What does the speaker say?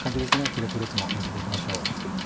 グレープフルーツものせていきましょう。